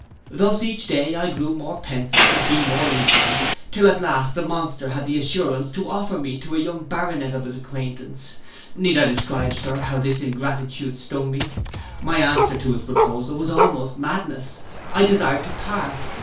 Thus each day I grew more pensive, and he more insolent, till at last the monster had the assurance to offer me to a young Baronet of his acquaintance. Need I describe, Sir, how his ingratitude stung me. My answer to this proposal was almost madness. I desired to part.